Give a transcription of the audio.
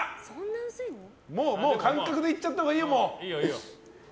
もう感覚でいっちゃったほうがいいよ。